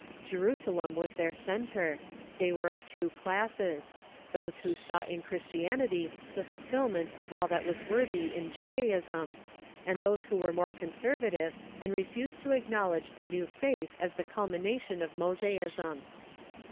Jerusalem was their centre. They were of two classes — those who saw in Christian ity the fulfilment of all that was worthy in Judaism, and those who were more conservative, and refused to acknowledge the new faith as the culmination of Mosaism.